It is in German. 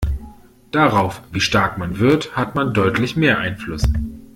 Darauf, wie stark man wird, hat man deutlich mehr Einfluss.